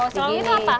serau itu apa